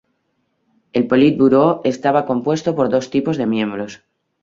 El Politburó estaba compuesto por dos tipos de miembros.